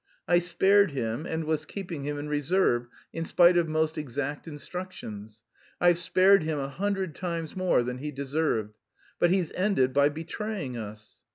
I spared him and was keeping him in reserve, in spite of most exact instructions.... I've spared him a hundred times more than he deserved! But he's ended by betraying us....